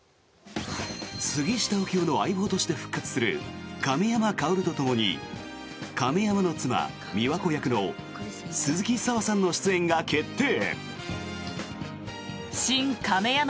杉下右京の相棒として復活する亀山薫とともに亀山の妻・美和子役の鈴木砂羽さんの出演が決定！